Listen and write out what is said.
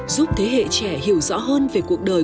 giúp thế hệ trẻ hiểu rõ hơn về cuộc đời